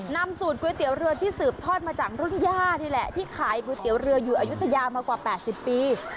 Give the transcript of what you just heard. นำสูตรก๋วยเตี๋ยวเรือที่สืบทอดมาจากรุ่นย่านี่แหละที่ขายก๋วยเตี๋ยวเรืออยู่อายุทยามากว่า๘๐ปี